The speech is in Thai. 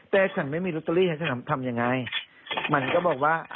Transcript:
แต่ฉันไม่มีลอตเตอรี่ให้ฉันทำยังไงมันก็บอกว่า